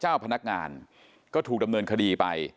เจ้าพนักงานก็ถูกดำเนินคดีไป